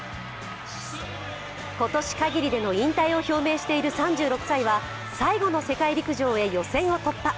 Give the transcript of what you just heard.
今年限りでの引退を表明している３６歳は最後の世界陸上へ、予選を突破。